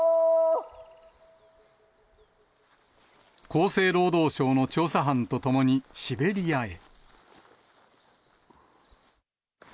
厚生労働省の調査班とともに、シベリアへ。